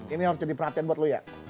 ini harus diperhatikan dulu ya